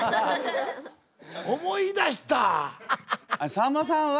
さんまさんは。